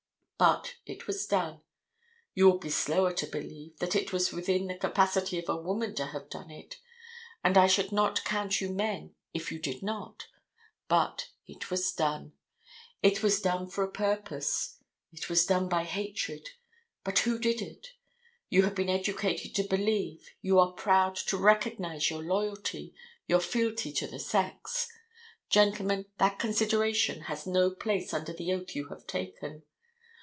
But it was done. You will be slower to believe that it was within the capacity of a woman to have done it, and I should not count you men if you did not, but it was done. It was done for a purpose. It was done by hatred. But who did it? You have been educated to believe, you are proud to recognize your loyalty, your fealty to the sex. Gentlemen, that consideration has no place under the oath you have taken.